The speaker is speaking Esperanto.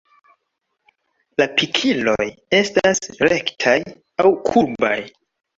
La pikiloj estas rektaj aŭ kurbaj.